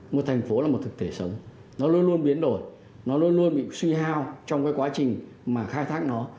một thành phố là một thực thể sống nó luôn luôn biến đổi nó luôn luôn bị suy hao trong cái quá trình mà khai thác nó